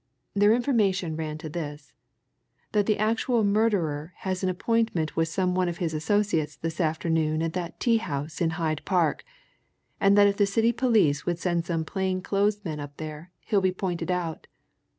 Their information ran to this that the actual murderer has an appointment with some of his associates this afternoon at that tea house in Hyde Park, and that if the City police would send some plain clothes men up there he'll be pointed out.